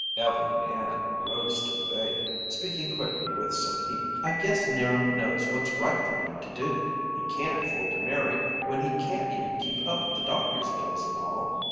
Ev'leen Ann rose to the bait, speaking quickly with some heat: "I guess 'Niram knows what's right for him to do! He can't afford to marry when he can't even keep up with the doctor's bills and all.